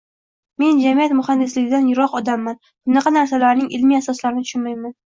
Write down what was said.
Men jamiyat muxandisligidan yiroq odamman, bunaqa narsalarning ilmiy asoslarini tushunmayman